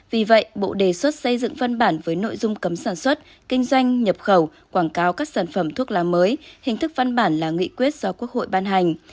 vì vậy bộ đề xuất xây dựng văn bản với nội dung cấm sản xuất kinh doanh nhập khẩu quảng cáo các sản phẩm thuốc lá mới hình thức văn bản là nghị quyết do quốc hội ban hành